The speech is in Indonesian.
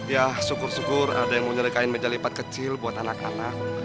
ya syukur syukur ada yang menyerahkan meja lipat kecil buat anak anak